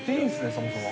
そもそも。